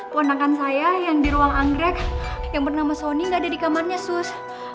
keponakan saya yang di ruang anggrek yang bernama sony nggak ada di kamarnya sus